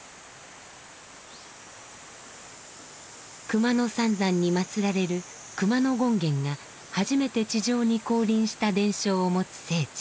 熊野三山にまつられる熊野権現が初めて地上に降臨した伝承を持つ聖地。